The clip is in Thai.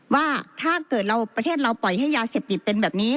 ว่าถ้าเกิดเราประเทศเราปล่อยให้ยาเสพติดเป็นแบบนี้